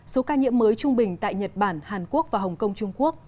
số ca nhiễm mới trung bình tại nhật bản hàn quốc và hồng kông trung quốc